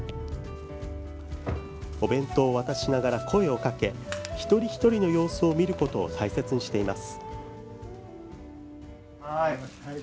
お弁当を渡しながら声をかけ一人一人の様子を見ることを大切にしています。